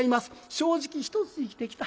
正直一つ生きてきた。